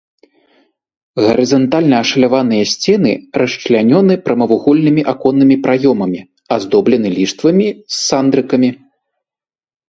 Гарызантальна ашаляваныя сцены расчлянёны прамавугольнымі аконнымі праёмамі, аздоблены ліштвамі з сандрыкамі.